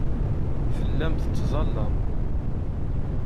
Tellam tettẓallam.